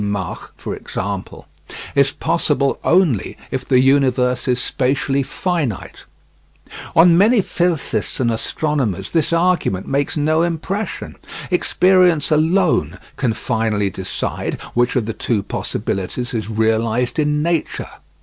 Mach, for example is possible only if the universe is spatially finite. On many physicists and astronomers this argument makes no impression. Experience alone can finally decide which of the two possibilities is realised in nature.